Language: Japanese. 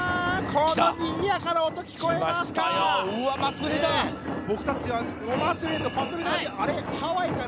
このにぎやかな音聞こえますか。